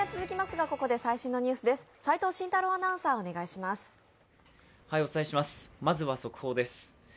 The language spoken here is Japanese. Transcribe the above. まずは速報です。